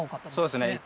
そうですね。